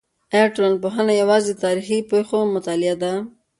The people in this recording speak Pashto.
آیا ټولنپوهنه یوازې د تاریخي پېښو مطالعه ده؟